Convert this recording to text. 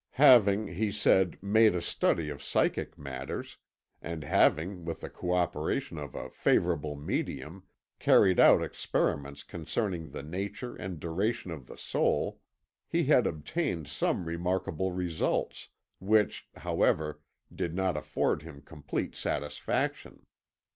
Having, he said, made a study of psychic matters, and having, with the co operation of a favourable medium, carried out experiments concerning the nature and duration of the soul, he had obtained some remarkable results, which, however, did not afford him complete satisfaction.